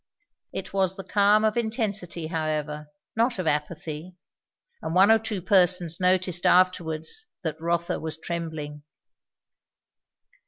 It was the calm of intensity however, not of apathy; and one or two persons noticed afterwards that Rotha was trembling.